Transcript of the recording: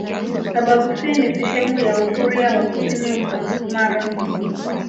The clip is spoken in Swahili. Abhaghusii ni sehemu ya Wakurya wa kusini mwa Mara